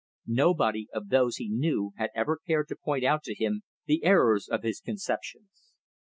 Nobody of those he knew had ever cared to point out to him the errors of his conceptions.